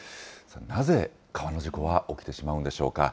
なぜ川の事故は起きてしまうんでしょうか。